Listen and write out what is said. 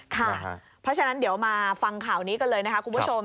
เพราะฉะนั้นเดี๋ยวมาฟังข่าวนี้กันเลยนะคะคุณผู้ชม